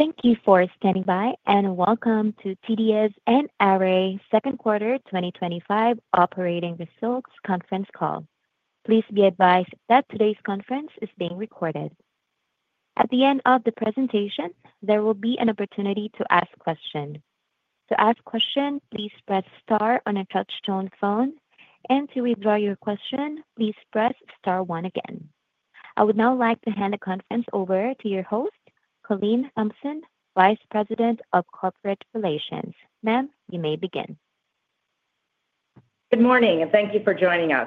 Thank you for standing by and welcome to TDS and Array Second Quarter 2025 Operating Results Conference Call. Please be advised that today's conference is being recorded. At the end of the presentation there will be an opportunity to ask question. To ask question please press star on a touchtone phone and to withdraw your question please press star one again. I would now like to hand the conference over to your host Colleen Thompson Vice President of Corporate Relations. Ma'am you may begin. Good morning and thank you for joining us.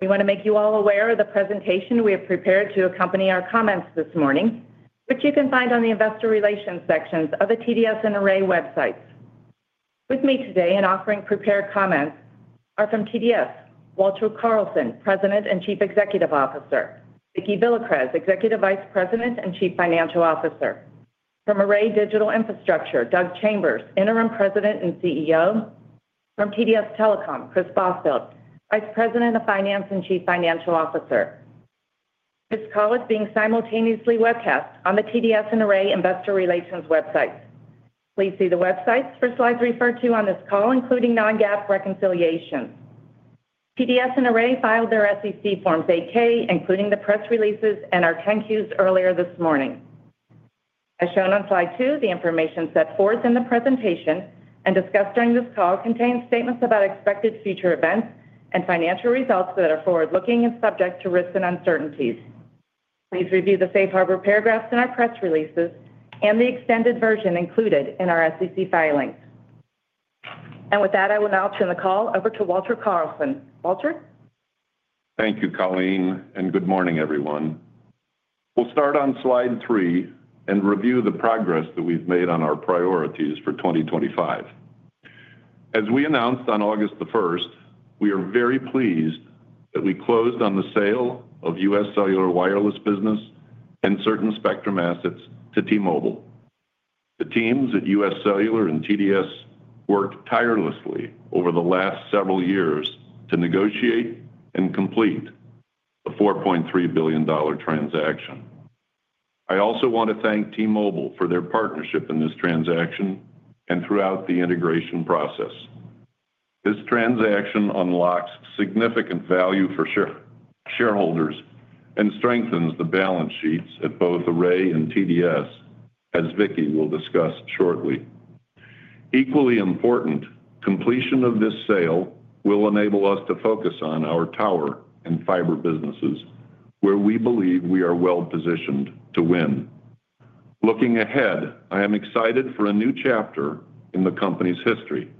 We want to make you all aware of the presentation we have prepared to accompany our comments this morning which you can find on the Investor Relations sections of the TDS and Array websites. With me today in offering prepared comments are from TDS Walter Carlson President and Chief Executive Officer Vicki Villacrez Executive Vice President and Chief Financial Officer from Array Digital Infrastructure Doug Chambers Interim President and CEO from TDS Telecom Kris Bothfeld Vice President of Finance and Chief Financial Officer. This call is being simultaneously webcast on the TDS and Array Investor Relations website. Please see the websites for slides referred to on this call including non-GAAP reconciliations. TDS and Array filed their SEC forms 8-K including the press releases and our 10-Qs earlier this morning. As shown on slide 2 the information set forth in the presentation and discussed during this call contains statements about expected future events and financial results that are forward-looking and subject to risks and uncertainties. Please review the safe harbor paragraphs in our press releases and the extended version included in our SEC filings. With that I will now turn the call over to Walter Carlson. Walter? Thank you Colleen and good morning everyone. We'll start on slide 3 and review the progress that we've made on our priorities for 2025. As we announced on August the 1st we are very pleased that we closed on the sale of UScellular wireless business and certain spectrum assets to T-Mobile. The teams at UScellular and TDS worked tirelessly over the last several years to negotiate and complete the $4.3 billion transaction. I also want to thank T-Mobile for their partnership in this transaction and throughout the integration process. This transaction unlocks significant value for shareholders and strengthens the balance sheets at both Array and TDS as Vicki will discuss shortly. Equally important completion of this sale will enable us to focus on our tower and fiber businesses where we believe we are well positioned to win. Looking ahead I am excited for a new chapter in the company's history.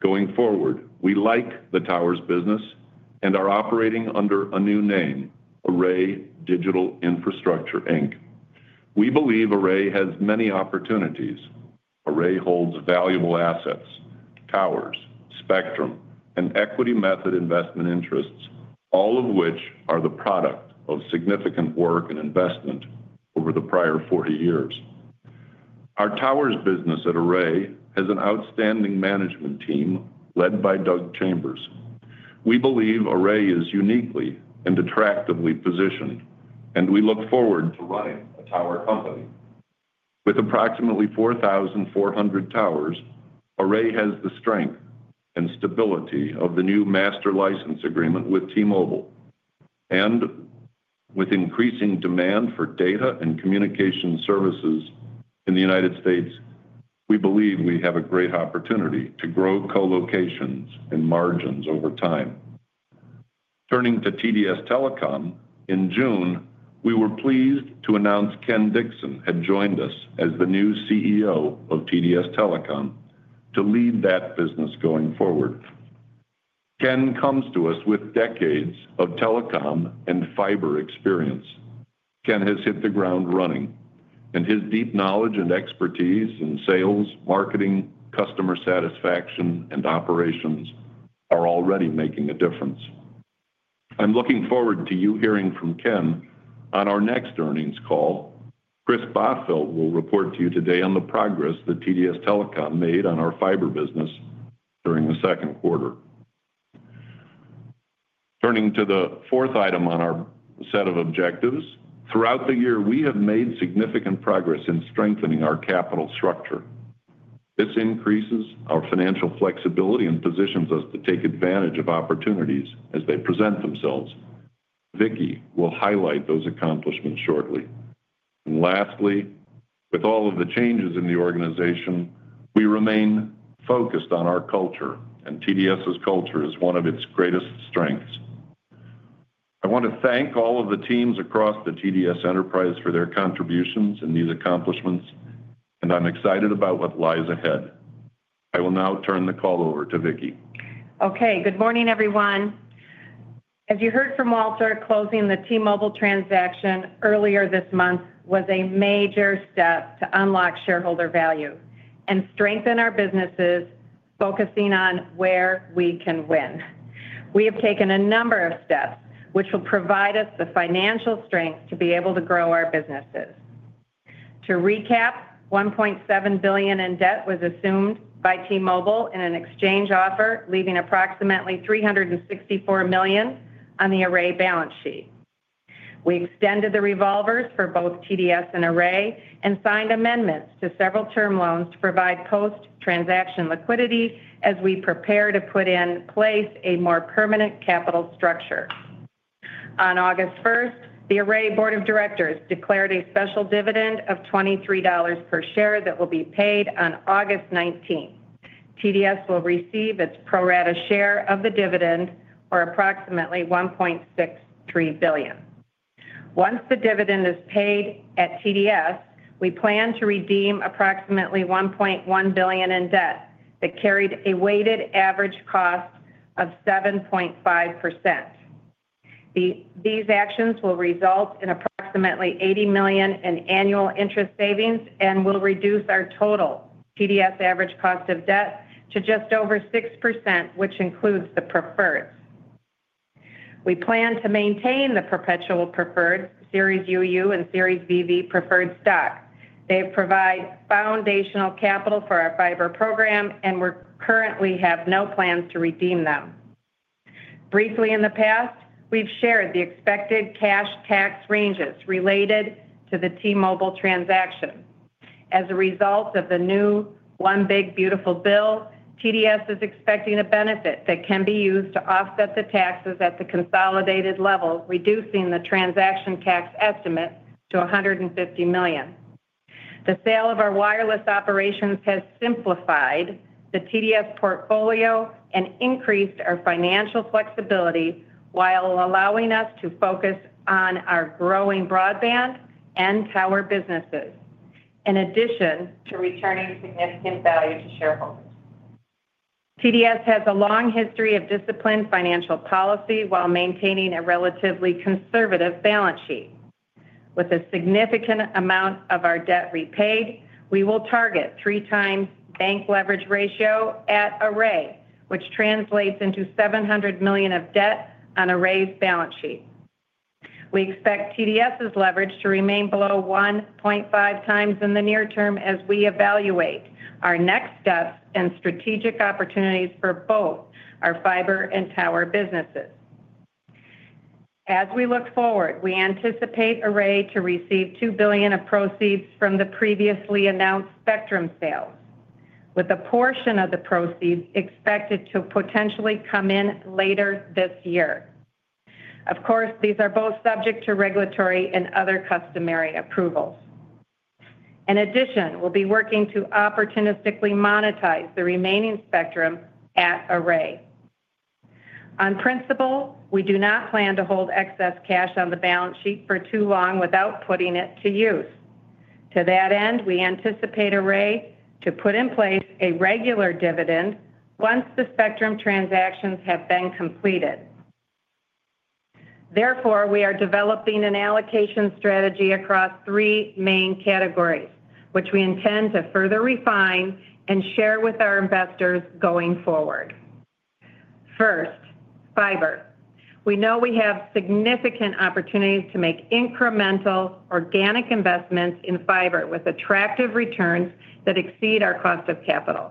Going forward we like the towers business and are operating under a new name Array Digital Infrastructure Inc. We believe Array has many opportunities. Array holds valuable assets towers spectrum and equity method investment interests all of which are the product of significant work and investment over the prior 40 years. Our towers business at Array has an outstanding management team led by Doug Chambers. We believe Array is uniquely and attractively positioned and we look forward to running a tower company. With approximately 4,400 towers Array has the strength and stability of the new master license agreement with T-Mobile. With increasing demand for data and communication services in the United States we believe we have a great opportunity to grow colocations and margins over time. Turning to TDS Telecom in June we were pleased to announce Ken Dixon had joined us as the new CEO of TDS Telecom to lead that business going forward. Ken comes to us with decades of telecom and fiber experience. Ken has hit the ground running and his deep knowledge and expertise in sales marketing customer satisfaction and operations are already making a difference. I'm looking forward to you hearing from Ken on our next earnings call. Kris Bothfeld will report to you today on the progress that TDS Telecom made on our fiber business during the second quarter. Turning to the fourth item on our set of objectives throughout the year we have made significant progress in strengthening our capital structure. This increases our financial flexibility and positions us to take advantage of opportunities as they present themselves. Vicki will highlight those accomplishments shortly. Lastly with all of the changes in the organization we remain focused on our culture and TDS's culture is one of its greatest strengths. I want to thank all of the teams across the TDS enterprise for their contributions and these accomplishments and I'm excited about what lies ahead. I will now turn the call over to Vicki. Okay good morning everyone. As you heard from Walter closing the T-Mobile transaction earlier this month was a major step to unlock shareholder value and strengthen our businesses focusing on where we can win. We have taken a number of steps which will provide us the financial strength to be able to grow our businesses. To recap $1.7 billion in debt was assumed by T-Mobile in an exchange offer leaving approximately $364 million on the Array balance sheet. We extended the revolvers for both TDS and Array and signed amendments to several term loans to provide post-transaction liquidity as we prepare to put in place a more permanent capital structure. On August 1st the Array Board of Directors declared a special dividend of $23 per share that will be paid on August 19th. TDS will receive its pro rata share of the dividend or approximately $1.63 billion. Once the dividend is paid at TDS we plan to redeem approximately $1.1 billion in debt that carried a weighted average cost of 7.5%. These actions will result in approximately $80 million in annual interest savings and will reduce our total TDS average cost of debt to just over 6% which includes the preferred. We plan to maintain the perpetual preferred Series UU and Series VV preferred stock. They provide foundational capital for our fiber program and we currently have no plans to redeem them. Briefly in the past we have shared the expected cash tax ranges related to the T-Mobile transaction. As a result of the new One Big Beautiful Bill TDS is expecting a benefit that can be used to offset the taxes at the consolidated level reducing the transaction tax estimate to $150 million. The sale of our wireless operations has simplified the TDS portfolio and increased our financial flexibility while allowing us to focus on our growing broadband and tower businesses in addition to returning significant value to shareholders. TDS has a long history of disciplined financial policy while maintaining a relatively conservative balance sheet. With a significant amount of our debt repaid we will target 3x bank leverage ratio at Array which translates into $700 million of debt on Array's balance sheet. We expect TDS's leverage to remain below 1.5x in the near term as we evaluate our next steps and strategic opportunities for both our fiber and tower businesses. As we look forward we anticipate Array to receive $2 billion of proceeds from the previously announced spectrum sale with a portion of the proceeds expected to potentially come in later this year. Of course these are both subject to regulatory and other customary approvals. In addition we'll be working to opportunistically monetize the remaining spectrum at Array. On principle we do not plan to hold excess cash on the balance sheet for too long without putting it to use. To that end we anticipate Array to put in place a regular dividend once the spectrum transactions have been completed. Therefore we are developing an allocation strategy across three main categories which we intend to further refine and share with our investors going forward. First fiber. We know we have significant opportunities to make incremental organic investments in fiber with attractive returns that exceed our cost of capital.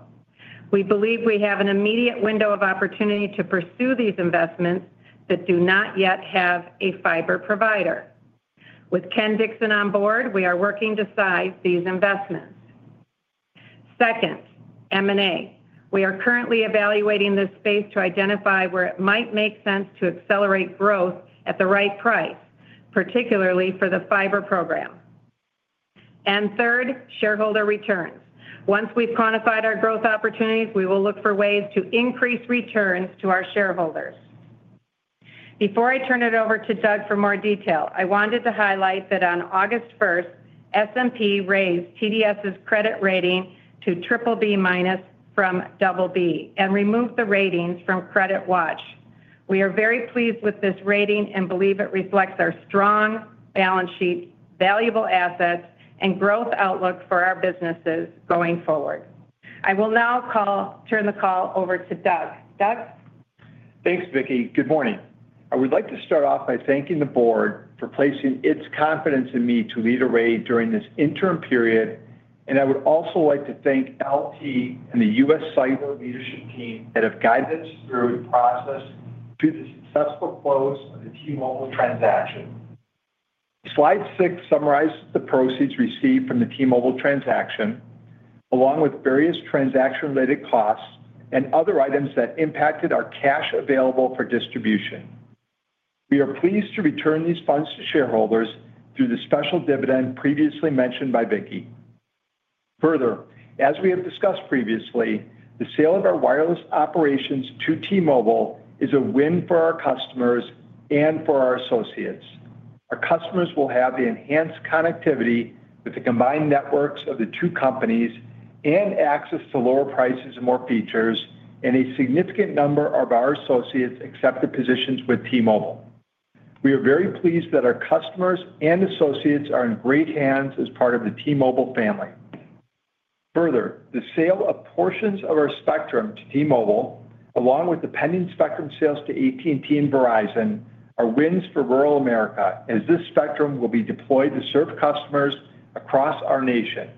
We believe we have an immediate window of opportunity to pursue these investments that do not yet have a fiber provider. With Ken Dixon on board we are working to size these investments. Second M&A. We are currently evaluating this space to identify where it might make sense to accelerate growth at the right price particularly for the fiber program. Third shareholder returns. Once we've quantified our growth opportunities we will look for ways to increase returns to our shareholders. Before I turn it over to Doug for more detail I wanted to highlight that on August 1st S&P raised TDS' credit rating to BBB- from BB and removed the ratings from CreditWatch. We are very pleased with this rating and believe it reflects our strong balance sheet valuable assets and growth outlook for our businesses going forward. I will now turn the call over to Doug. Doug? Thanks Vicki. Good morning. I would like to start off by thanking the board for placing its confidence in me to lead Array during this interim period and I would also like to thank LT and the UScellular leadership team that have guided us through the process to the successful close of the T-Mobile transaction. Slide 6 summarizes the proceeds received from the T-Mobile transaction along with various transaction-related costs and other items that impacted our cash available for distribution. We are pleased to return these funds to shareholders through the special dividend previously mentioned by Vicki. Further as we have discussed previously the sale of our wireless operations to T-Mobile is a win for our customers and for our associates. Our customers will have the enhanced connectivity with the combined networks of the two companies and access to lower prices and more features and a significant number of our associates accepted positions with T-Mobile. We are very pleased that our customers and associates are in great hands as part of the T-Mobile family. Further the sale of portions of our spectrum to T-Mobile along with the pending spectrum sales to AT&T and Verizon are wins for rural America as this spectrum will be deployed to serve customers across our nation.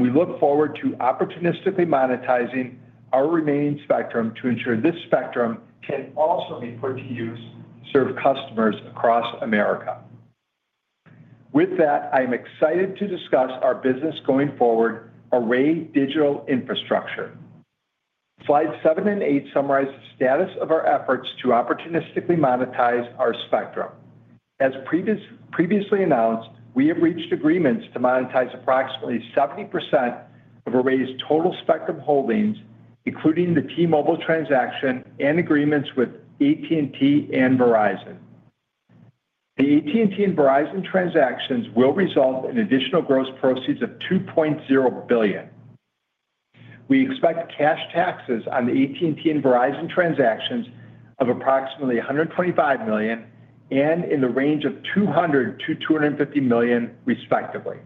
We look forward to opportunistically monetizing our remaining spectrum to ensure this spectrum can also be put to use to serve customers across America. With that I am excited to discuss our business going forward Array Digital Infrastructure. Slides seven and eight summarize the status of our efforts to opportunistically monetize our spectrum. As previously announced we have reached agreements to monetize approximately 70% of Array's total spectrum holdings including the T-Mobile transaction and agreements with AT&T and Verizon. The AT&T and Verizon transactions will result in additional gross proceeds of $2.0 billion. We expect cash taxes on the AT&T and Verizon transactions of approximately $125 million and in the range of $200 million-$250 million respectively.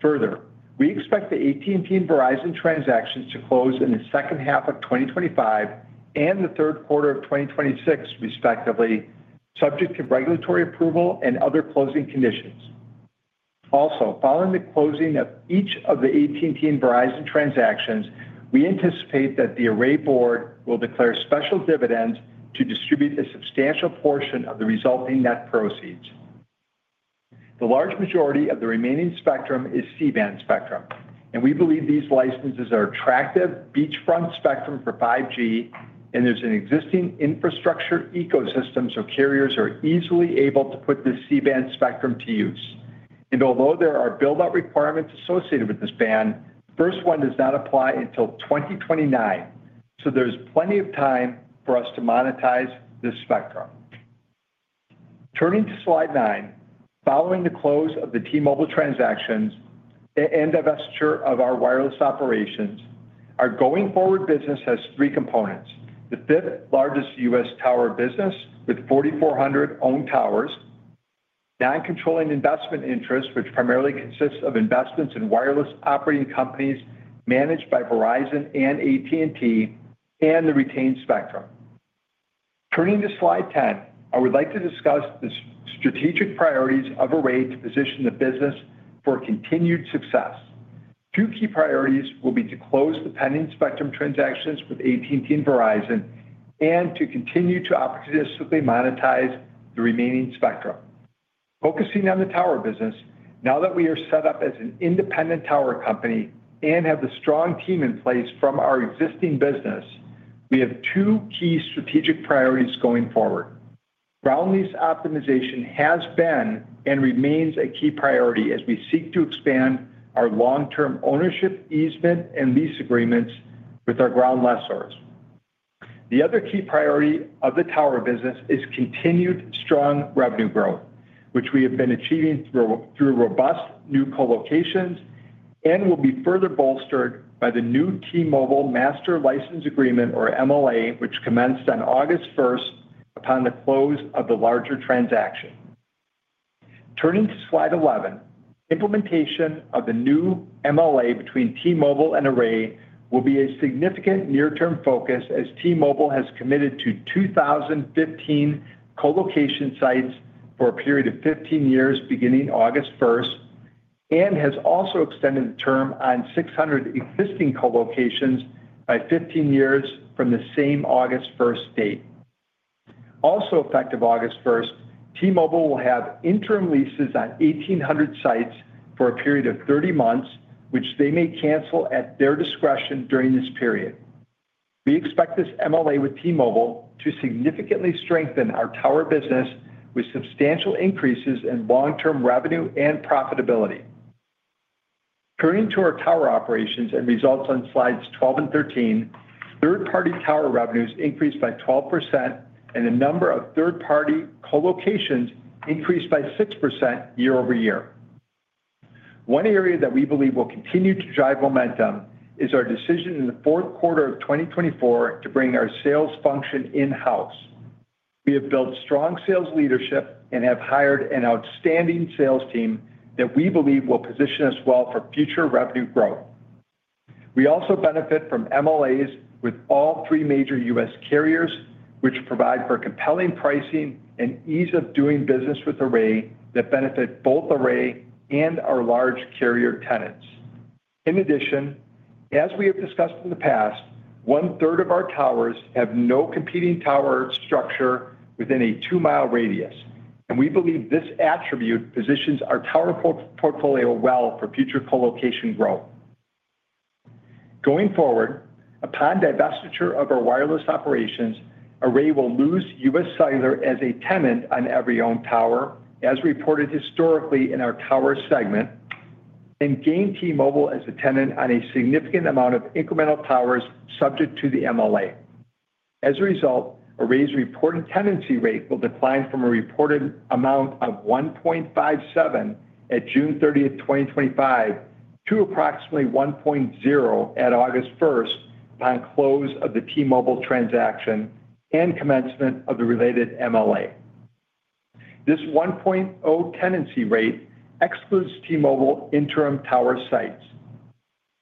Further we expect the AT&T and Verizon transactions to close in the second half of 2025 and the third quarter of 2026 respectively subject to regulatory approval and other closing conditions. Also following the closing of each of the AT&T and Verizon transactions we anticipate that the Array board will declare special dividends to distribute a substantial portion of the resulting net proceeds. The large majority of the remaining spectrum is C-band spectrum and we believe these licenses are attractive beachfront spectrum for 5G and there's an existing infrastructure ecosystem so carriers are easily able to put this C-band spectrum to use. Although there are build-out requirements associated with this band the first one does not apply until 2029 so there's plenty of time for us to monetize this spectrum. Turning to slide 9 following the close of the T-Mobile transactions and divestiture of our wireless operations our going-forward business has three components the fifth largest U.S. tower business with 4,400 owned towers non-controlling investment interest which primarily consists of investments in wireless operating companies managed by Verizon and AT&T and the retained spectrum. Turning to slide 10 I would like to discuss the strategic priorities of Array to position the business for continued success. Two key priorities will be to close the pending spectrum transactions with AT&T and Verizon and to continue to opportunistically monetize the remaining spectrum. Focusing on the tower business now that we are set up as an independent tower company and have the strong team in place from our existing business we have two key strategic priorities going forward. Ground lease optimization has been and remains a key priority as we seek to expand our long-term ownership easement and lease agreements with our ground lessors. The other key priority of the tower business is continued strong revenue growth which we have been achieving through robust new colocations and will be further bolstered by the new T-Mobile Master License Agreement or MLA which commenced on August 1st upon the close of the larger transaction. Turning to slide 11 implementation of the new MLA between T-Mobile and Array will be a significant near-term focus as T-Mobile has committed to 2015 colocation sites for a period of 15 years beginning August 1st and has also extended the term on 600 existing colocations by 15 years from the same August 1st date. Also effective August 1st T-Mobile will have interim leases on 1,800 sites for a period of 30 months which they may cancel at their discretion during this period. We expect this MLA with T-Mobile to significantly strengthen our tower business with substantial increases in long-term revenue and profitability. Turning to our tower operations and results on slides 12 and 13 third-party tower revenues increased by 12% and the number of third-party colocations increased by 6% year-over-year. One area that we believe will continue to drive momentum is our decision in the fourth quarter of 2024 to bring our sales function in-house. We have built strong sales leadership and have hired an outstanding sales team that we believe will position us well for future revenue growth. We also benefit from MLAs with all three major U.S. carriers which provide for compelling pricing and ease of doing business with Array that benefit both Array and our large carrier tenants. In addition as we have discussed in the past 1/3 of our towers have no competing tower structure within a 2-mile radius and we believe this attribute positions our tower portfolio well for future colocation growth. Going forward upon divestiture of our wireless operations Array will lose UScellular as a tenant on every owned tower as reported historically in our tower segment and gain T-Mobile as a tenant on a significant amount of incremental towers subject to the MLA. As a result Array's reported tenancy rate will decline from a reported amount of 1.57 at June 30th, 2025 to approximately 1.0 at August 1st upon close of the T-Mobile transaction and commencement of the related MLA. This 1.0 tenancy rate excludes T-Mobile interim tower sites.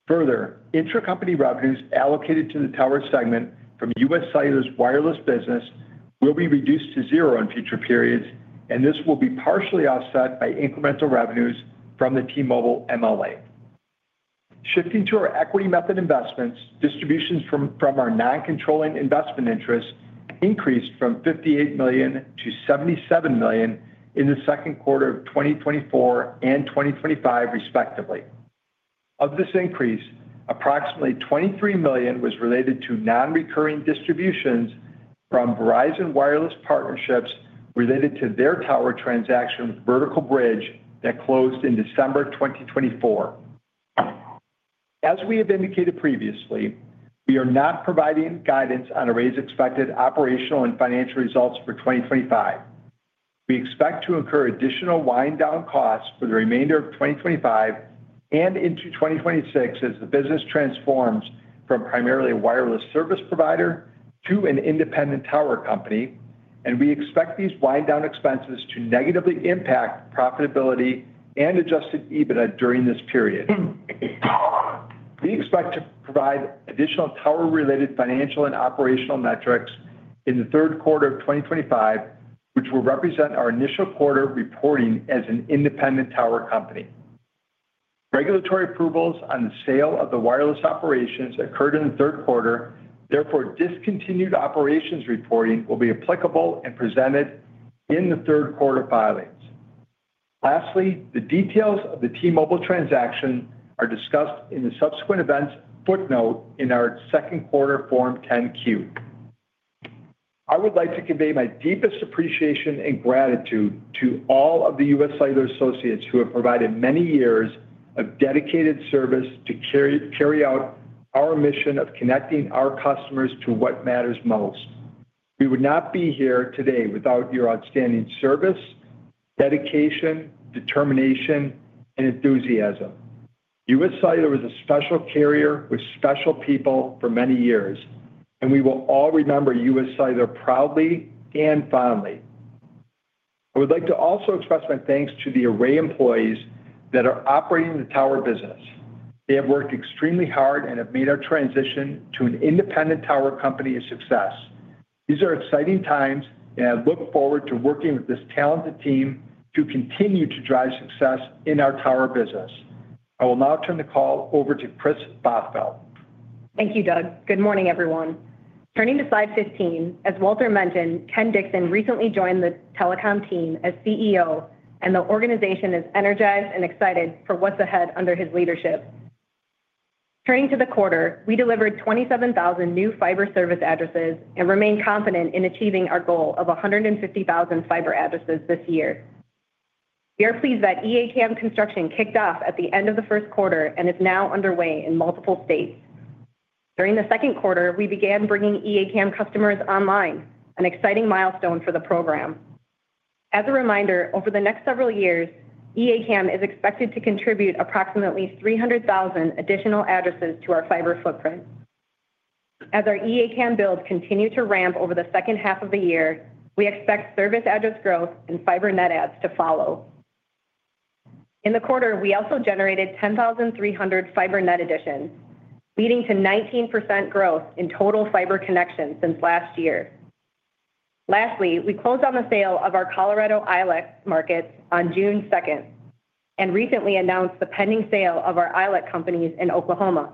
Further intercompany revenues allocated to the tower segment from UScellular's wireless business will be reduced to zero in future periods and this will be partially offset by incremental revenues from the T-Mobile MLA. Shifting to our equity method investments distributions from our non-controlling investment interest increased from $58 million to $77 million in the second quarter of 2024 and 2025 respectively. Of this increase approximately $23 million was related to non-recurring distributions from Verizon wireless partnerships related to their tower transaction with Vertical Bridge that closed in December 2024. As we have indicated previously we are not providing guidance on Array's expected operational and financial results for 2025. We expect to incur additional wind-down costs for the remainder of 2025 and into 2026 as the business transforms from primarily a wireless service provider to an independent tower company and we expect these wind-down expenses to negatively impact profitability and adjusted EBITDA during this period. We expect to provide additional tower-related financial and operational metrics in the third quarter of 2025 which will represent our initial quarter reporting as an independent tower company. Regulatory approvals on the sale of the wireless operations occurred in the third quarter therefore discontinued operations reporting will be applicable and presented in the third quarter filings. Lastly the details of the T-Mobile transaction are discussed in a subsequent events footnote in our second quarter Form 10-Q. I would like to convey my deepest appreciation and gratitude to all of the UScellular associates who have provided many years of dedicated service to carry out our mission of connecting our customers to what matters most. We would not be here today without your outstanding service dedication determination and enthusiasm. UScellular was a special carrier with special people for many years and we will all remember UScellular proudly and fondly. I would like to also express my thanks to the Array employees that are operating the tower business. They have worked extremely hard and have made our transition to an independent tower company a success. These are exciting times and I look forward to working with this talented team to continue to drive success in our tower business. I will now turn the call over to Kris Bothfeld. Thank you Doug. Good morning everyone. Turning to slide 15 as Walter mentioned Ken Dixon recently joined the telecom team as CEO and the organization is energized and excited for what's ahead under his leadership. Turning to the quarter we delivered 27,000 new fiber service addresses and remain confident in achieving our goal of 150,000 fiber addresses this year. We are pleased that E-ACAM construction kicked off at the end of the first quarter and is now underway in multiple states. During the second quarter we began bringing E-ACAM customers online an exciting milestone for the program. As a reminder over the next several years E-ACAM is expected to contribute approximately 300,000 additional addresses to our fiber footprint. As our E-ACAM builds continue to ramp over the second half of the year we expect service address growth and fiber net adds to follow. In the quarter we also generated 10,300 fiber net additions leading to 19% growth in total fiber connections since last year. Lastly we closed on the sale of our Colorado ILEC markets on June 2nd and recently announced the pending sale of our ILEC companies in Oklahoma.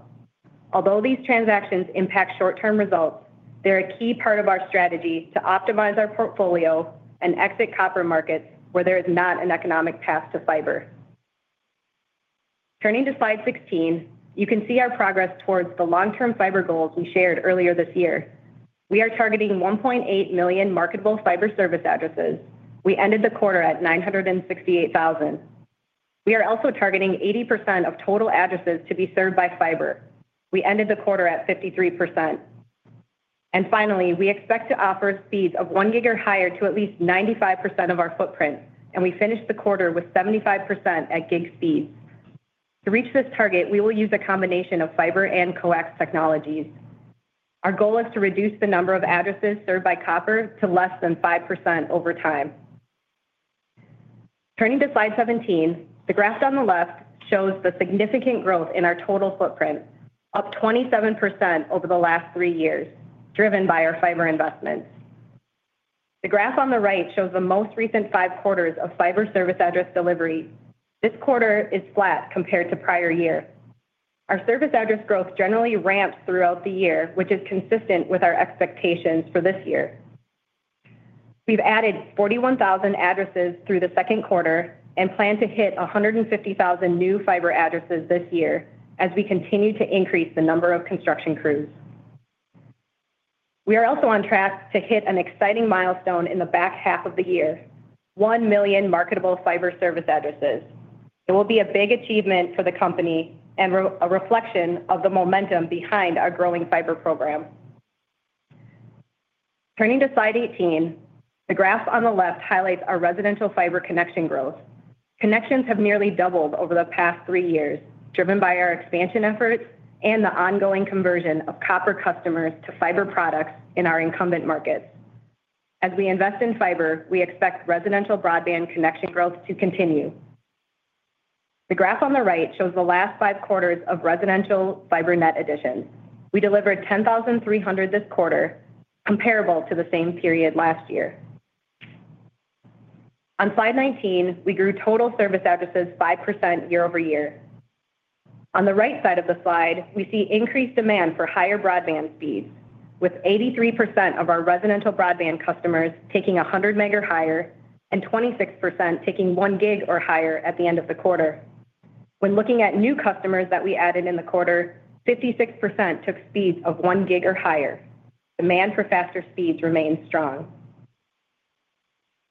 Although these transactions impact short-term results they're a key part of our strategy to optimize our portfolio and exit copper markets where there is not an economic path to fiber. Turning to slide 16 you can see our progress towards the long-term fiber goals we shared earlier this year. We are targeting 1.8 million marketable fiber service addresses. We ended the quarter at 968,000. We are also targeting 80% of total addresses to be served by fiber. We ended the quarter at 53%. Finally we expect to offer speeds of 1-gig or higher to at least 95% of our footprint and we finished the quarter with 75% at gig speed. To reach this target we will use a combination of fiber and coax technologies. Our goal is to reduce the number of addresses served by copper to less than 5% over time. Turning to slide 17 the graph on the left shows the significant growth in our total footprint up 27% over the last three years driven by our fiber investments. The graph on the right shows the most recent five quarters of fiber service address delivery. This quarter is flat compared to prior years. Our service address growth generally ramps throughout the year which is consistent with our expectations for this year. We've added 41,000 addresses through the second quarter and plan to hit 150,000 new fiber addresses this year as we continue to increase the number of construction crews. We are also on track to hit an exciting milestone in the back half of the year 1 million marketable fiber service addresses. It will be a big achievement for the company and a reflection of the momentum behind our growing fiber program. Turning to slide 18 the graph on the left highlights our residential fiber connection growth. Connections have nearly doubled over the past three years driven by our expansion efforts and the ongoing conversion of copper customers to fiber products in our incumbent markets. As we invest in fiber we expect residential broadband connection growth to continue. The graph on the right shows the last five quarters of residential fiber net additions. We delivered 10,300 this quarter comparable to the same period last year. On slide 19 we grew total service addresses 5% year-over-year. On the right side of the slide we see increased demand for higher broadband speeds with 83% of our residential broadband customers taking 100-meg or higher and 26% taking 1-gig or higher at the end of the quarter. When looking at new customers that we added in the quarter 56% took speeds of 1-gig or higher. Demand for faster speeds remains strong.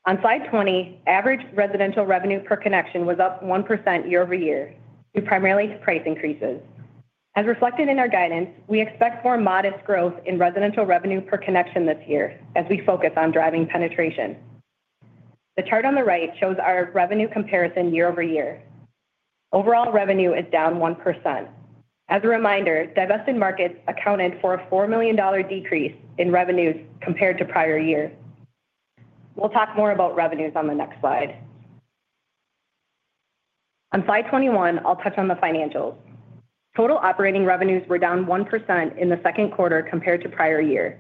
On slide 20 average residential revenue per connection was up 1% year-over-year due primarily to price increases. As reflected in our guidance we expect more modest growth in residential revenue per connection this year as we focus on driving penetration. The chart on the right shows our revenue comparison year-over-year. Overall revenue is down 1%. As a reminder divested markets accounted for a $4 million decrease in revenues compared to prior years. We'll talk more about revenues on the next slide. On slide 21 I'll touch on the financials. Total operating revenues were down 1% in the second quarter compared to prior year.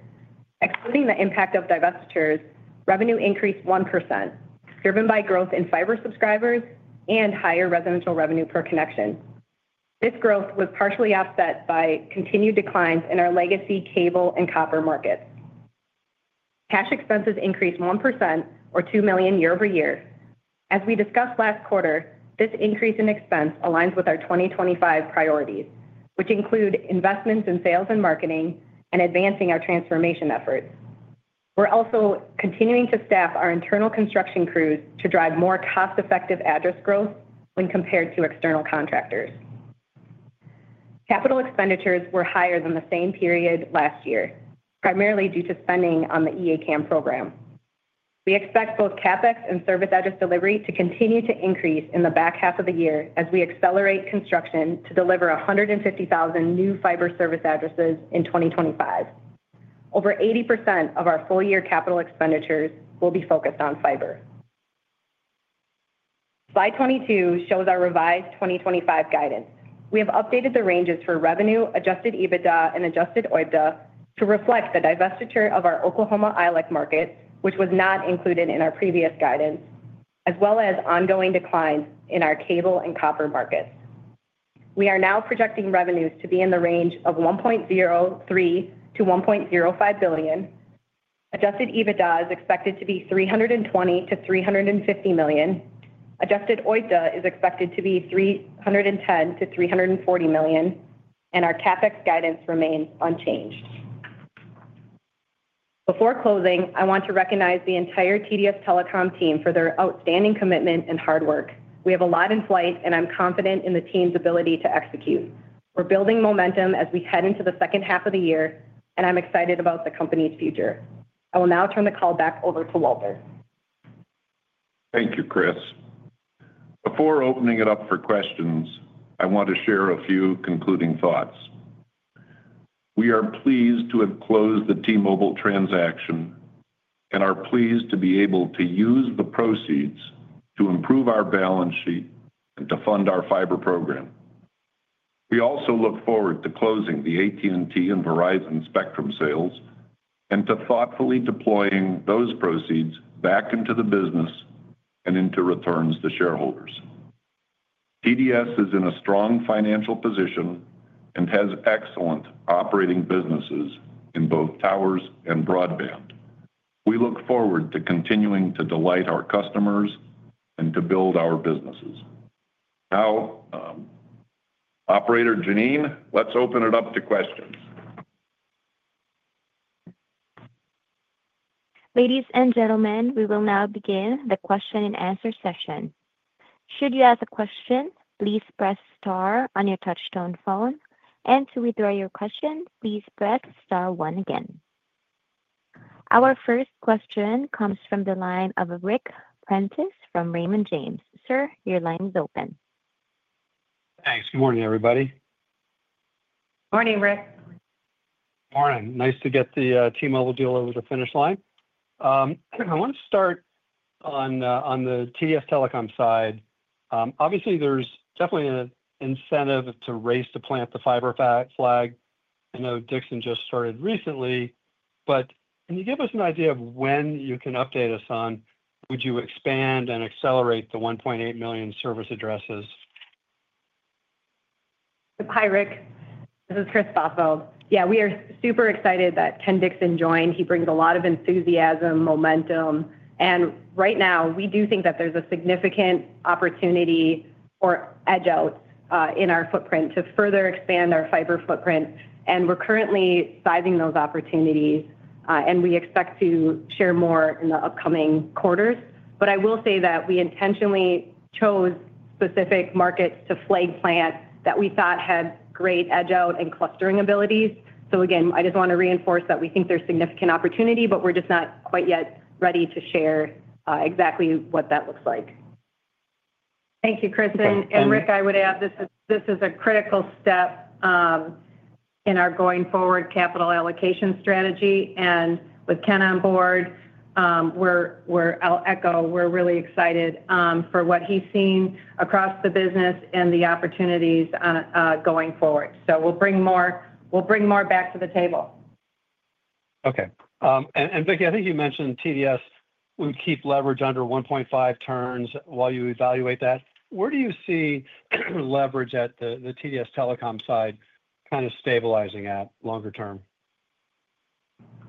Excluding the impact of divestitures revenue increased 1% driven by growth in fiber subscribers and higher residential revenue per connection. This growth was partially offset by continued declines in our legacy cable and copper markets. Cash expenses increased 1% or $2 million year-over-year. As we discussed last quarter this increase in expense aligns with our 2025 priorities which include investments in sales and marketing and advancing our transformation efforts. We're also continuing to staff our internal construction crews to drive more cost-effective address growth when compared to external contractors. Capital expenditures were higher than the same period last year primarily due to spending on the E-ACAM program. We expect both CapEx and service address delivery to continue to increase in the back half of the year as we accelerate construction to deliver 150,000 new fiber service addresses in 2025. Over 80% of our full-year capital expenditures will be focused on fiber. Slide 22 shows our revised 2025 guidance. We have updated the ranges for revenue adjusted EBITDA and adjusted OIBDA to reflect the divestiture of our Oklahoma ILEC market which was not included in our previous guidance as well as ongoing declines in our cable and copper markets. We are now projecting revenues to be in the range of $1.03 billion-$1.05 billion. Adjusted EBITDA is expected to be $320 million-$350 million. Adjusted OIBDA is expected to be $310 million-$340 million and our CapEx guidance remains unchanged. Before closing I want to recognize the entire TDS Telecom team for their outstanding commitment and hard work. We have a lot in flight and I'm confident in the team's ability to execute. We're building momentum as we head into the second half of the year and I'm excited about the company's future. I will now turn the call back over to Walter. Thank you Kris. Before opening it up for questions I want to share a few concluding thoughts. We are pleased to have closed the T-Mobile transaction and are pleased to be able to use the proceeds to improve our balance sheet and to fund our fiber program. We also look forward to closing the AT&T and Verizon spectrum sales and to thoughtfully deploying those proceeds back into the business and into returns to shareholders. TDS is in a strong financial position and has excellent operating businesses in both towers and broadband. We look forward to continuing to delight our customers and to build our businesses. Now operator Janine let's open it up to questions. Ladies and gentlemen we will now begin the question-and-answer session. Should you ask a question please press star on your touch-tone phone and to withdraw your question please press star one again. Our first question comes from the line of Ric Prentiss from Raymond James. Sir your line is open. Thanks. Good morning everybody. Morning Ric. Morning. Nice to get the T-Mobile deal over the finish line. I want to start on the TDS Telecom side. Obviously there's definitely an incentive to raise the plant the fiber flag. I know Dixon just started recently but can you give us an idea of when you can update us on would you expand and accelerate the $1.8 million service addresses? Hi Ric. This is Kris Bothfeld. Yeah we are super excited that Ken Dixon joined. He brings a lot of enthusiasm momentum and right now we do think that there's a significant opportunity for edgeouts in our footprint to further expand our fiber footprint. We're currently sizing those opportunities and we expect to share more in the upcoming quarters. I will say that we intentionally chose specific markets to flag plants that we thought had great edgeout and clustering abilities. I just want to reinforce that we think there's significant opportunity but we're just not quite yet ready to share exactly what that looks like. Thank you Kris and Ric I would add this is a critical step in our going forward capital allocation strategy. With Ken on board I'll echo we're really excited for what he's seen across the business and the opportunities going forward. We'll bring more back to the table. Okay. Vicki I think you mentioned TDS would keep leverage under 1.5x while you evaluate that. Where do you see leverage at the TDS Telecom side kind of stabilizing at longer term?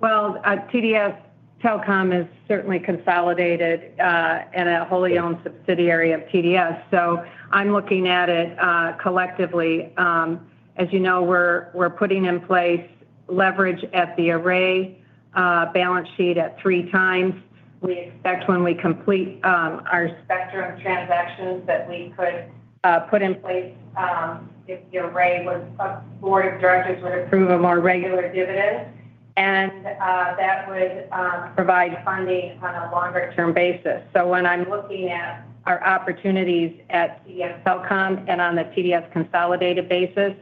TDS Telecom is certainly consolidated and a wholly owned subsidiary of TDS. I'm looking at it collectively. As you know we're putting in place leverage at the Array balance sheet at 3x. We expect when we complete our spectrum transactions that we could put in place if the Array board of directors would approve a more regular dividend. That would provide funding on a longer-term basis. When I'm looking at our opportunities at TDS Telecom and on the TDS consolidated basis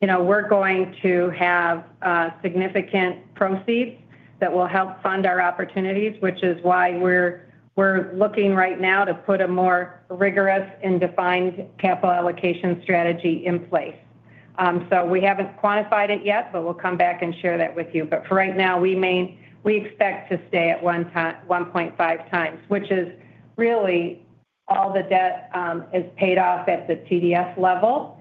you know we're going to have significant proceeds that will help fund our opportunities which is why we're looking right now to put a more rigorous and defined capital allocation strategy in place. We haven't quantified it yet but we'll come back and share that with you. For right now we expect to stay at 1.5x which is really all the debt is paid off at the TDS level.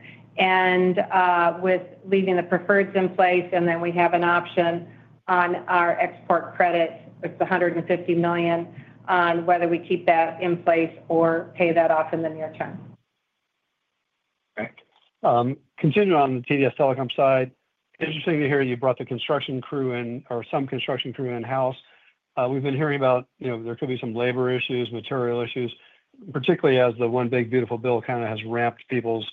With leaving the preferreds in place we have an option on our export credit which is $150 million on whether we keep that in place or pay that off in the near term. Okay. Continuing on the TDS Telecom side interesting to hear you brought the construction crew in or some construction crew in-house. We've been hearing about you know there could be some labor issues material issues particularly as the One Big Beautiful Bill kind of has ramped people's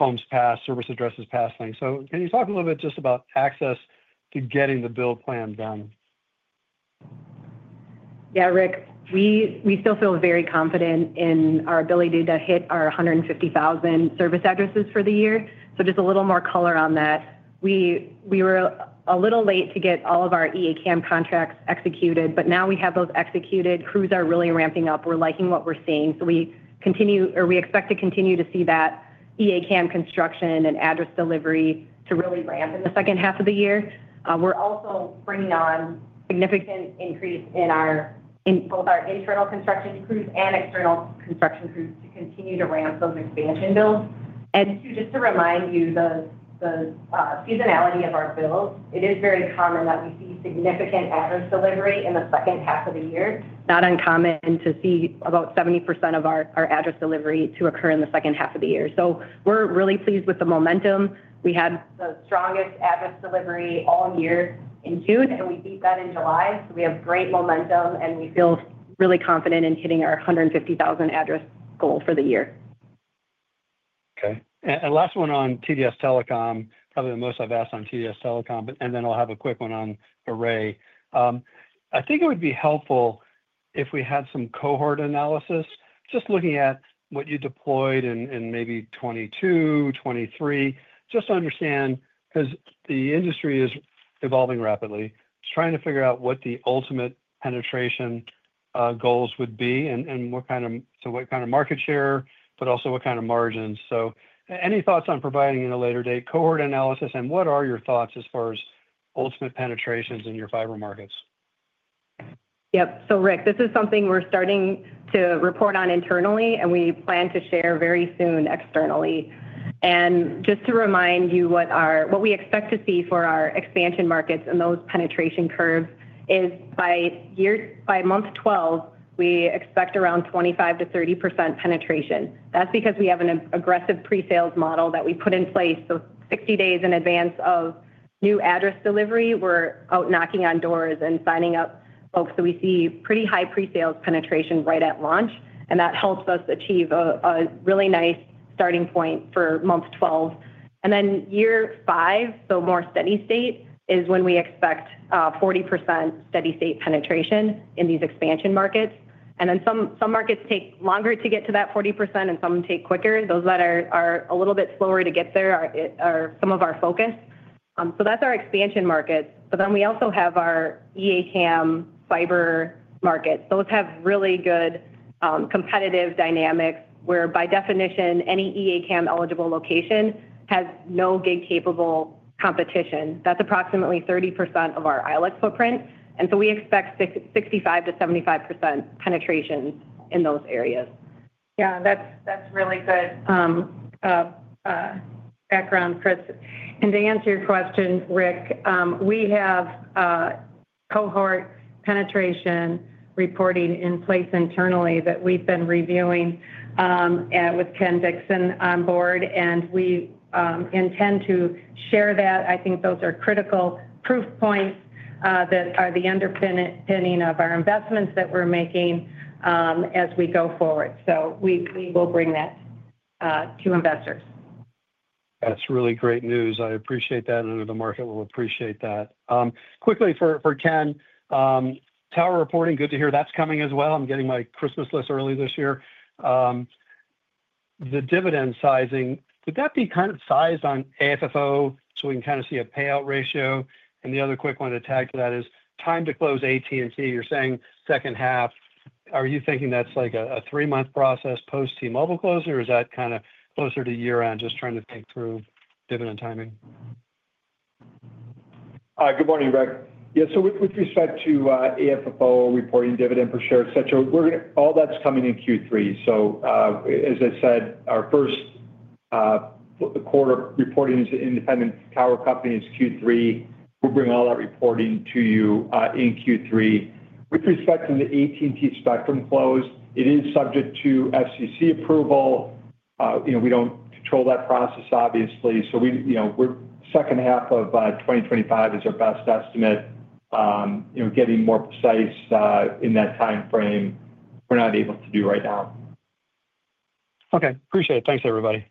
homes past service addresses past things. Can you talk a little bit just about access to getting the build plan done? Yeah Ric we still feel very confident in our ability to hit our 150,000 service addresses for the year. Just a little more color on that. We were a little late to get all of our E-ACAM contracts executed but now we have those executed. Crews are really ramping up. We're liking what we're seeing. We expect to continue to see that E-ACAM construction and address delivery really ramp in the second half of the year. We're also bringing on a significant increase in both our internal construction crews and external construction crews to continue to ramp those expansion builds. Just to remind you the seasonality of our build it is very common that we see significant address delivery in the second half of the year. It is not uncommon to see about 70% of our address delivery occur in the second half of the year. We're really pleased with the momentum. We had the strongest address delivery all year in June and we beat that in July. We have great momentum and we feel really confident in hitting our 150,000 address goal for the year. Okay. Last one on TDS Telecom probably the most I've asked on TDS Telecom and then I'll have a quick one on Array. I think it would be helpful if we had some cohort analysis just looking at what you deployed in maybe 2022 2023 just to understand because the industry is evolving rapidly. Just trying to figure out what the ultimate penetration goals would be and what kind of what kind of market share but also what kind of margins. Any thoughts on providing at a later date cohort analysis and what are your thoughts as far as ultimate penetrations in your fiber markets? Yep. Ric this is something we're starting to report on internally and we plan to share very soon externally. Just to remind you what we expect to see for our expansion markets and those penetration curves is by year by month 12 we expect around 25%-30% penetration. That's because we have an aggressive pre-sales model that we put in place. 60 days in advance of new address delivery we're out knocking on doors and signing up folks. We see pretty high pre-sales penetration right at launch and that helps us achieve a really nice starting point for month 12. Year five more steady state is when we expect 40% steady state penetration in these expansion markets. Some markets take longer to get to that 40% and some take quicker. Those that are a little bit slower to get there are some of our focus. That's our expansion markets. We also have our E-ACAM fiber market. Those have really good competitive dynamics where by definition any E-ACAM eligible location has no gig capable competition. That's approximately 30% of our ILEC footprint. We expect 65%-75% penetrations in those areas. Yeah that's really good background Kris. To answer your question Ric we have cohort penetration reporting in place internally that we've been reviewing with Ken Dixon on board and we intend to share that I think those are critical proof points that are the underpinning of our investments that we're making as we go forward. We will bring that to investors. That's really great news. I appreciate that and I know the market will appreciate that. Quickly for Ken tower reporting good to hear that's coming as well. I'm getting my Christmas list early this year. The dividend sizing would that be kind of sized on AFFO so we can kind of see a payout ratio? The other quick one to tag to that is time to close AT&T. You're saying second half. Are you thinking that's like a three-month process post T-Mobile closing or is that kind of closer to year-end just trying to think through dividend timing? Good morning Ric. Yeah with respect to AFFO reporting dividend per share etc. all that's coming in Q3. As I said our first quarter reporting to independent tower companies is Q3. We'll bring all that reporting to you in Q3. With respect to the AT&T spectrum flows it is subject to FCC approval. We don't control that process obviously. Our best estimate is second half of 2025. Getting more precise in that timeframe we're not able to do right now. Okay. Appreciate it. Thanks everybody.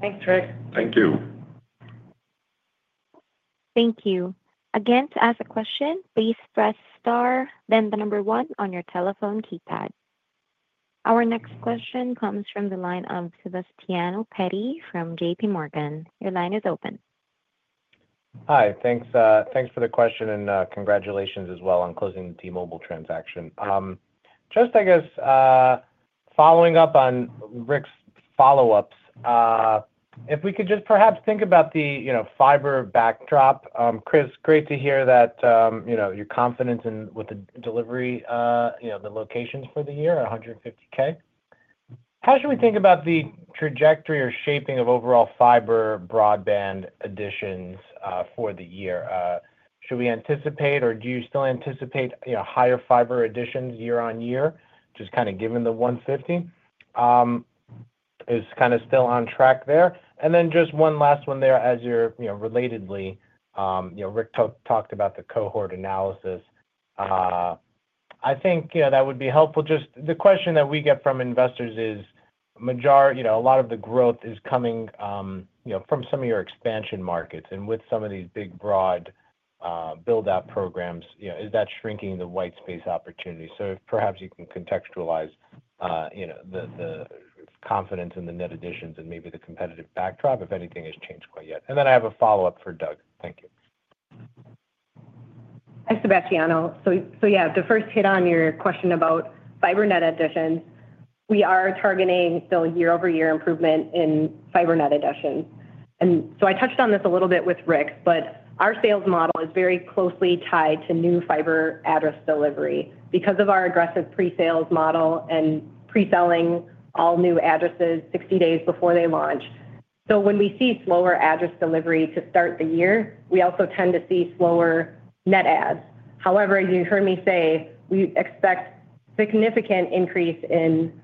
Thanks Ric. Thank you. Thank you. Again to ask a question please press star then the number one on your telephone keypad. Our next question comes from the line of Sebastiano Petti from JPMorgan. Your line is open. Hi thanks for the question and congratulations as well on closing the T-Mobile transaction. Just following up on Ric's follow-ups if we could just perhaps think about the fiber backdrop Kris great to hear that your confidence in with the delivery the locations for the year 150,000. How should we think about the trajectory or shaping of overall fiber broadband additions for the year? Should we anticipate or do you still anticipate higher fiber additions year-on-year just kind of given the 150,000? It's kind of still on track there. Just one last one there as you're relatedly Ric talked about the cohort analysis I think that would be helpful. The question that we get from investors is a lot of the growth is coming from some of your expansion markets and with some of these big broad build-out programs is that shrinking the white space opportunity? Perhaps you can contextualize the confidence in the net additions and maybe the competitive backdrop if anything has changed quite yet. I have a follow-up for Doug. Thank you. Thanks Sebastiano. To first hit on your question about fiber net additions we are targeting still year-over-year improvement in fiber net additions. I touched on this a little bit with Ric but our sales model is very closely tied to new fiber address delivery because of our aggressive pre-sales model and pre-selling all new addresses 60 days before they launch. When we see slower address delivery to start the year we also tend to see slower net adds. However you heard me say we expect a significant increase in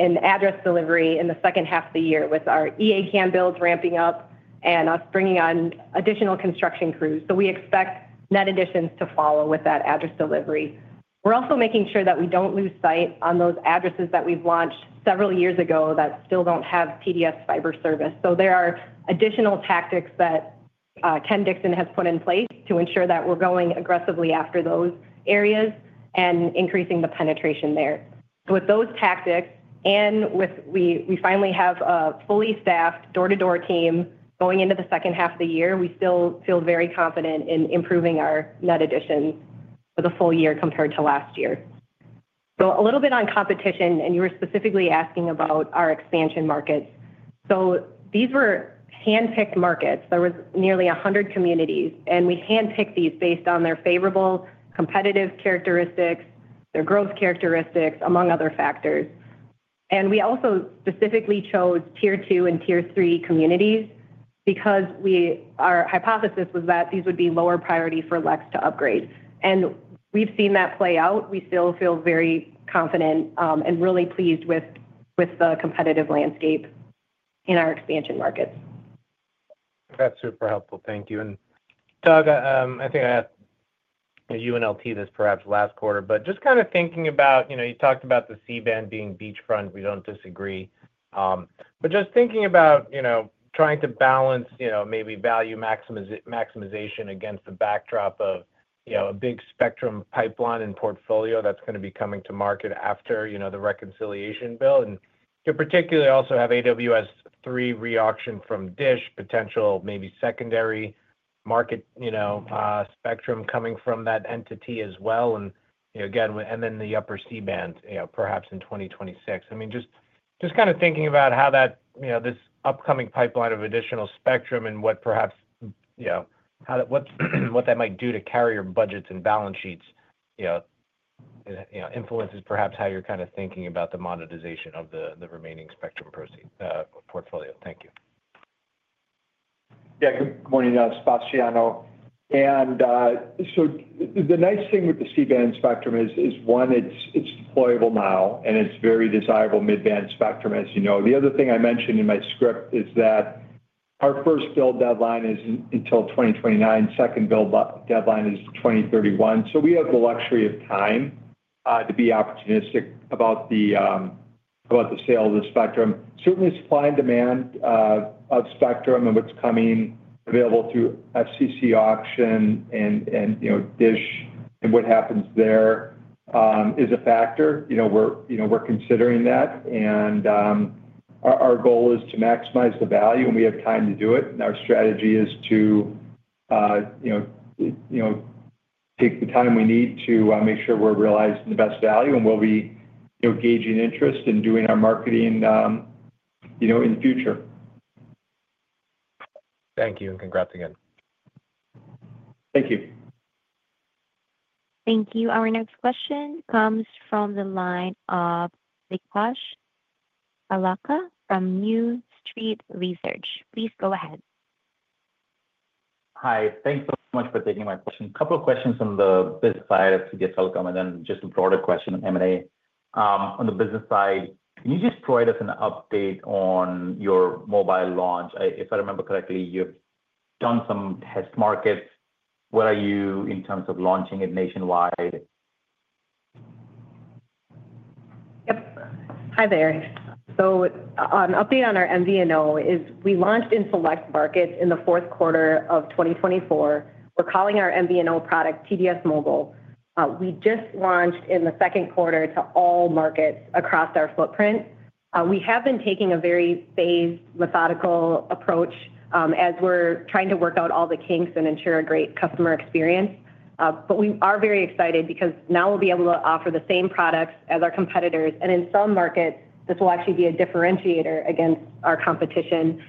address delivery in the second half of the year with our E-ACAM builds ramping up and us bringing on additional construction crews. We expect net additions to follow with that address delivery. We're also making sure that we don't lose sight on those addresses that we've launched several years ago that still don't have TDS fiber service. There are additional tactics that Ken Dixon has put in place to ensure that we're going aggressively after those areas and increasing the penetration there. With those tactics and with a fully staffed door-to-door team going into the second half of the year we still feel very confident in improving our net additions for the full year compared to last year. A little bit on competition you were specifically asking about our expansion markets. These were hand-picked markets. There were nearly 100 communities and we hand-picked these based on their favorable competitive characteristics their growth characteristics among other factors. We also specifically chose Tier 2 and Tier 3 communities because our hypothesis was that these would be lower priority for ILECs to upgrade. We've seen that play out. We still feel very confident and really pleased with the competitive landscape in our expansion markets. That's super helpful. Thank you. Doug I think I asked you and LP this perhaps last quarter just kind of thinking about you talked about the C-band being beachfront. We don't disagree. Just thinking about trying to balance maybe value maximization against the backdrop of a big spectrum pipeline and portfolio that's going to be coming to market after the reconciliation bill. You particularly also have AWS-3 re-auction from DISH potential maybe secondary market spectrum coming from that entity as well. Again the upper C-band perhaps in 2026. Just kind of thinking about how this upcoming pipeline of additional spectrum and what perhaps that might do to carrier budgets and balance sheets influences perhaps how you're kind of thinking about the monetization of the remaining spectrum portfolio. Thank you. Good morning Sebastiano. The nice thing with the C-band spectrum is one it's deployable now and it's very desirable mid-band spectrum as you know. The other thing I mentioned in my script is that our first build deadline is 2029 second build deadline is 2031. We have the luxury of time to be opportunistic about the sale of the spectrum. Certainly supply and demand of spectrum and what's coming available through FCC auction and you know DISH and what happens there is a factor. We're considering that. Our goal is to maximize the value when we have time to do it. Our strategy is to take the time we need to make sure we're realizing the best value and we'll be gauging interest and doing our marketing in the future. Thank you and congrats again. Thank you. Thank you. Our next question comes from the line of Vikash Harlalka from New Street Research. Please go ahead. Hi thanks so much for taking my question. A couple of questions on the business side of TDS Telecom and then just a broader question M&A. On the business side can you just provide us an update on your mobile launch? If I remember correctly you've done some test markets. Where are you in terms of launching it nationwide? Hi there. An update on our MVNO is we launched in select markets in the fourth quarter of 2024. We're calling our MVNO product TDS Mobile. We just launched in the second quarter to all markets across our footprint. We have been taking a very phased methodical approach as we're trying to work out all the kinks and ensure a great customer experience. We are very excited because now we'll be able to offer the same products as our competitors and in some markets this will actually be a differentiator against our competition.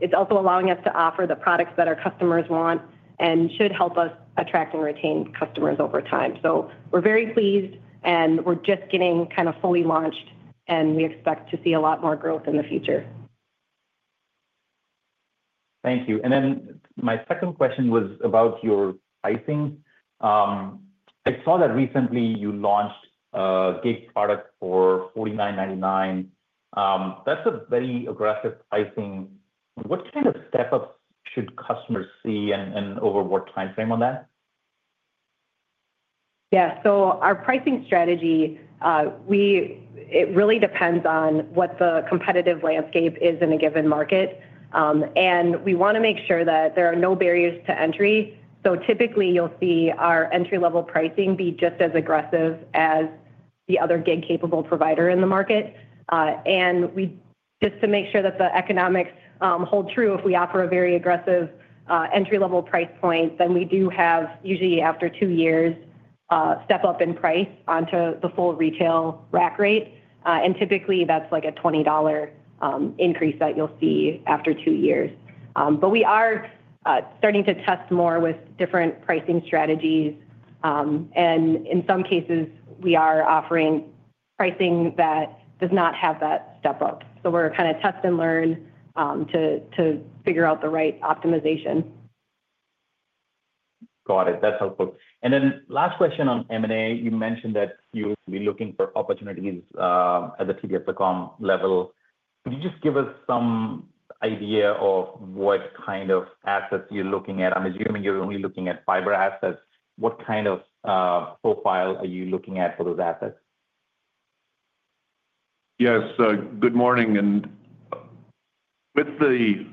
It's also allowing us to offer the products that our customers want and should help us attract and retain customers over time. We are very pleased and we're just getting kind of fully launched and we expect to see a lot more growth in the future. Thank you. My second question was about your pricing. I saw that recently you launched a gig product for $49.99. That's a very aggressive pricing. What kind of step-ups should customers see and over what timeframe on that? Yeah so our pricing strategy really depends on what the competitive landscape is in a given market. We want to make sure that there are no barriers to entry. Typically you'll see our entry-level pricing be just as aggressive as the other gig-capable provider in the market. We just to make sure that the economics hold true if we offer a very aggressive entry-level price point then we do have usually after two years a step up in price onto the full retail rack rate. Typically that's like a $20 increase that you'll see after two years. We are starting to test more with different pricing strategies. In some cases we are offering pricing that does not have that step up. We're kind of test and learn to figure out the right optimization. Got it. That's helpful. Last question on M&A. You mentioned that you'll be looking for opportunities at the TDS Telecom level. Could you just give us some idea of what kind of assets you're looking at? I'm assuming you're only looking at fiber assets. What kind of profile are you looking at for those assets? Yes good morning. With the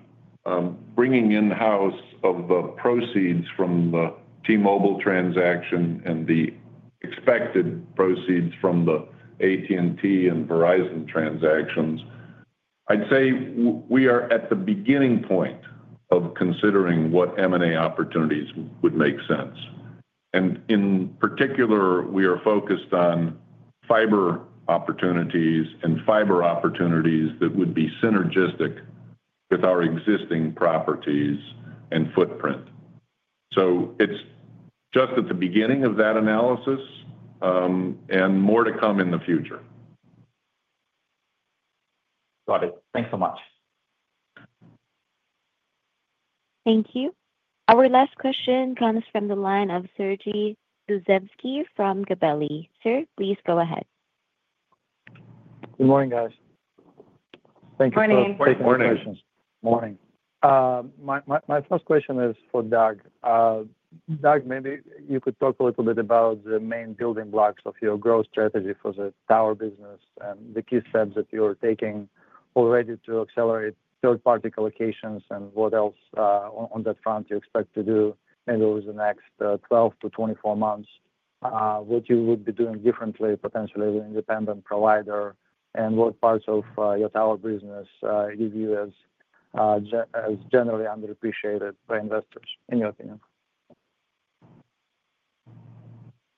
bringing in-house of the proceeds from the T-Mobile transaction and the expected proceeds from the AT&T and Verizon transactions I'd say we are at the beginning point of considering what M&A opportunities would make sense. In particular we are focused on fiber opportunities and fiber opportunities that would be synergistic with our existing properties and footprint. It is just at the beginning of that analysis and more to come in the future. Got it. Thanks so much. Thank you. Our last question comes from the line of Sergey Zuzevsky from Gabelli. Sir please go ahead. Good morning guys. Thank you for taking my questions. Morning. Good morning. My first question is for Doug. Doug maybe you could talk a little bit about the main building blocks of your growth strategy for the tower business and the key steps that you're taking already to accelerate third-party colocations and what else on that front you expect to do in the next 12 months-24 months? What you would be doing differently potentially with an independent provider and what parts of your tower business do you view as generally underappreciated by investors in your opinion?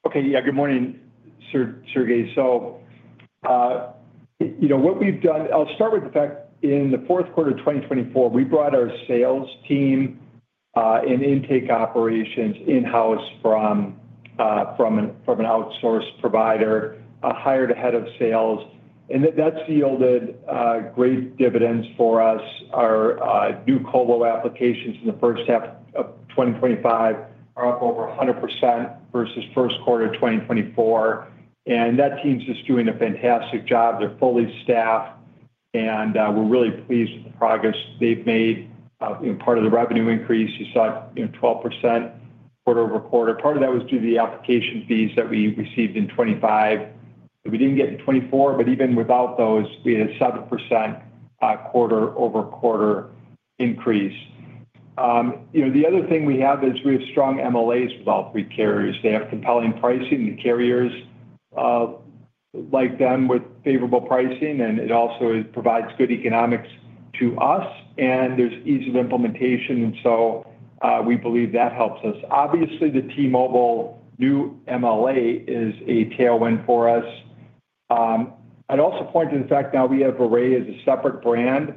Okay. Yeah good morning Sergey. You know what we've done I'll start with the fact in the fourth quarter of 2024 we brought our sales team and intake operations in-house from an outsourced provider hired a head of sales. That's yielded great dividends for us. Our new colo applications in the first half of 2025 are up over 100% versus first quarter of 2024. That team's just doing a fantastic job. They're fully staffed and we're really pleased with the progress they've made. Part of the revenue increase you saw 12% quarter-over-quarter. Part of that was due to the application fees that we received in 2025. We didn't get in 2024 but even without those we had a 7% quarter-over-quarter increase. The other thing we have is we have strong MLAs with all three carriers. They have compelling pricing. The carriers like them with favorable pricing and it also provides good economics to us. There's ease of implementation and we believe that helps us. Obviously the T-Mobile new MLA is a tailwind for us. I'd also point to the fact now we have Array as a separate brand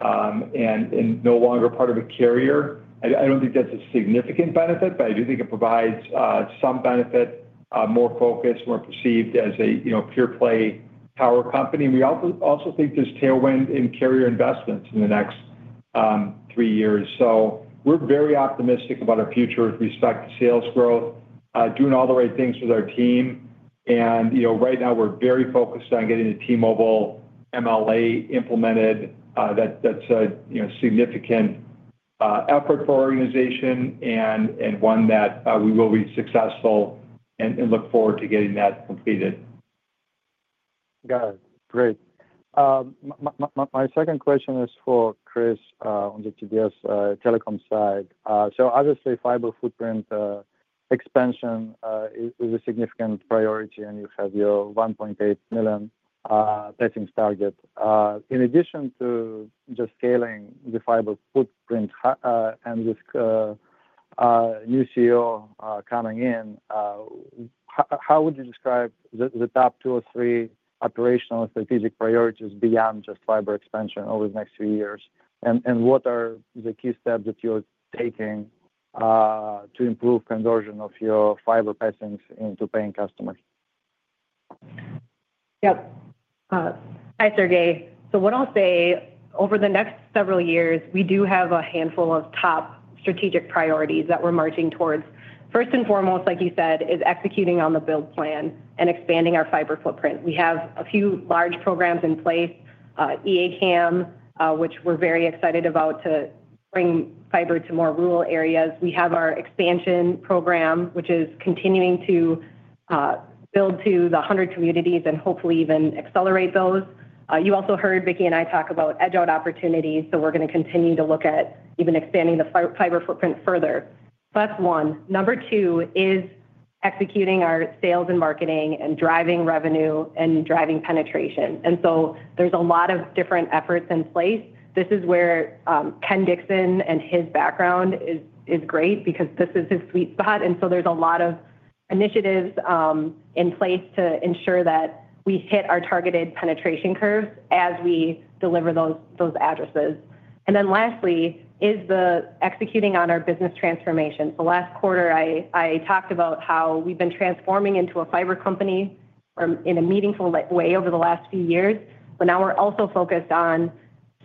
and no longer part of a carrier. I don't think that's a significant benefit but I do think it provides some benefit more focused more perceived as a pure play tower company. We also think there's tailwind in carrier investments in the next three years. We're very optimistic about our future with respect to sales growth doing all the right things with our team. Right now we're very focused on getting the T-Mobile MLA implemented. That's a significant effort for our organization and one that we will be successful and look forward to getting that completed. Got it. Great. My second question is for Kris on the TDS Telecom side. Obviously fiber footprint expansion is a significant priority and you have your 1.8 million passing target. In addition to just scaling the fiber footprint and this new CEO coming in how would you describe the top two or three operational strategic priorities beyond just fiber expansion over the next few years? What are the key steps that you're taking to improve conversion of your fiber passings into paying customers? Yep. Hi Sergey. Over the next several years we do have a handful of top strategic priorities that we're marching towards. First and foremost like you said is executing on the build plan and expanding our fiber footprint. We have a few large programs in place E-ACAM which we're very excited about to bring fiber to more rural areas. We have our expansion program which is continuing to build to the 100 communities and hopefully even accelerate those. You also heard Vicki and I talk about edgeout opportunities. We're going to continue to look at even expanding the fiber footprint further. That's one. Number two is executing our sales and marketing and driving revenue and driving penetration. There's a lot of different efforts in place. This is where Ken Dixon and his background is great because this is his sweet spot. There's a lot of initiatives in place to ensure that we hit our targeted penetration curves as we deliver those addresses. Lastly is executing on our business transformation. The last quarter I talked about how we've been transforming into a fiber company in a meaningful way over the last few years. Now we're also focused on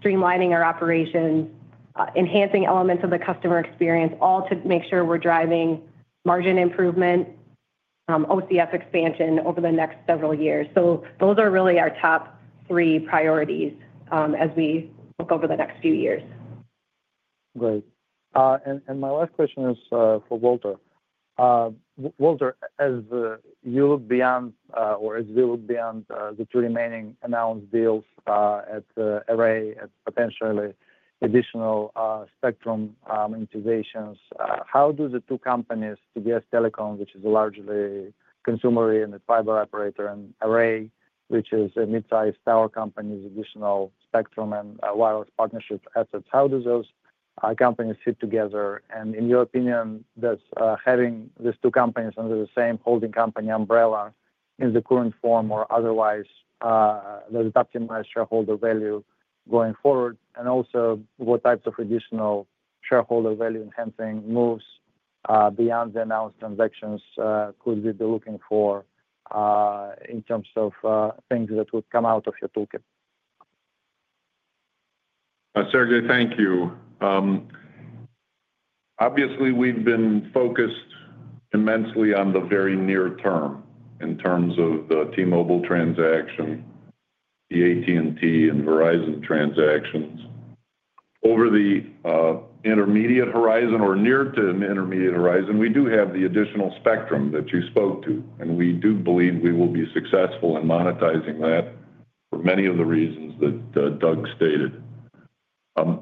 streamlining our operations enhancing elements of the customer experience all to make sure we're driving margin improvement OCF expansion over the next several years. Those are really our top three priorities as we look over the next few years. Great. My last question is for Walter. Walter as you look beyond or as we look beyond the two remaining announced deals at Array at potentially additional spectrum innovations how do the two companies TDS Telecom which is largely consumer and fiber operator and Array which is a mid-sized tower company additional spectrum and wireless partnership assets how do those companies fit together? In your opinion does having these two companies under the same holding company umbrella in the current form or otherwise does it optimize shareholder value going forward? Also what types of additional shareholder value enhancing moves beyond the announced transactions could we be looking for in terms of things that would come out of your toolkit? Sergey thank you. Obviously we've been focused immensely on the very near term in terms of the T-Mobile transaction the AT&T and Verizon transactions. Over the intermediate horizon or near to an intermediate horizon we do have the additional spectrum that you spoke to and we do believe we will be successful in monetizing that for many of the reasons that Doug stated.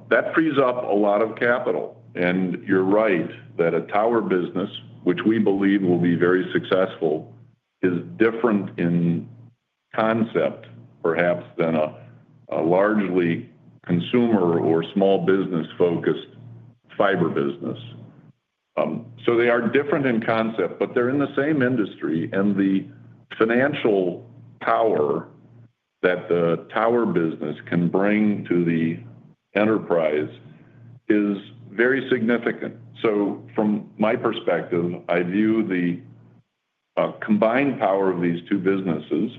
That frees up a lot of capital. You're right that a tower business which we believe will be very successful is different in concept perhaps than a largely consumer or small business-focused fiber business. They are different in concept but they're in the same industry and the financial power that the tower business can bring to the enterprise is very significant. From my perspective I view the combined power of these two businesses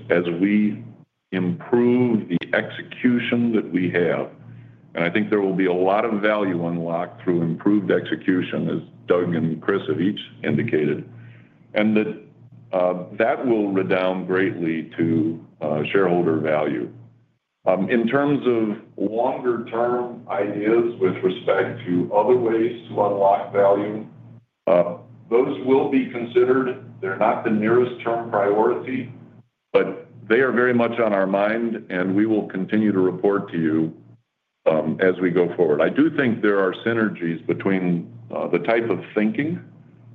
as we improve the execution that we have. I think there will be a lot of value unlocked through improved execution as Doug and Kris have each indicated and that will redound greatly to shareholder value. In terms of longer-term ideas with respect to other ways to unlock value those will be considered. They're not the nearest term priority but they are very much on our mind and we will continue to report to you as we go forward. I do think there are synergies between the type of thinking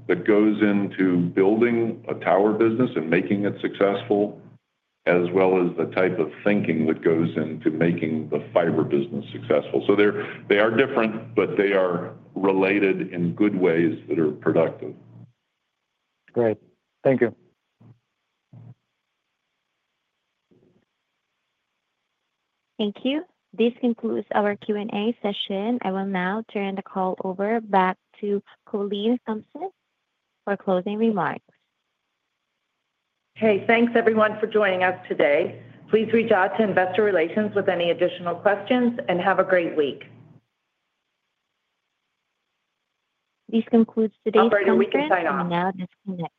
that goes into building a tower business and making it successful as well as the type of thinking that goes into making the fiber business successful. They are different but they are related in good ways that are productive. Great. Thank you. Thank you. This concludes our Q&A session. I will now turn the call over back to Colleen Thompson for closing remarks. Hey thanks everyone for joining us today. Please reach out to Investor Relations with any additional questions and have a great week. This concludes today's conference. You may now disconnect.